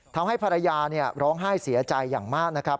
ทำให้ภรรยาร้องไห้เสียใจอย่างมากนะครับ